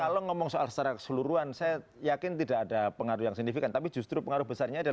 saya kalau ngomong soal secara keseluruhan saya yakin tidak ada pengaruh yang signifikan tapi justru pengaruh yang signifikan di p tiga dan p tiga